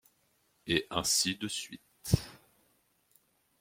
Et ainsi de suite.